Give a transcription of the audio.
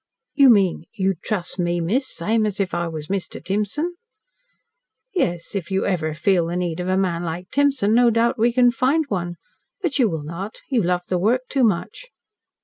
"You mean you'd trust me, miss same as if I was Mr. Timson?" "Yes. If you ever feel the need of a man like Timson, no doubt we can find one. But you will not. You love the work too much."